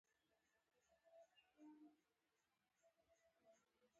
د ونو پرې کول منع دي